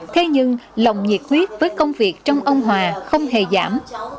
thế nhưng lòng nhiệt huyết với công việc trong ông hòa không hề giảm